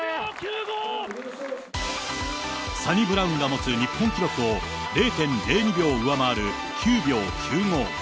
サニブラウンが持つ日本記録を０．０２秒上回る９秒９５。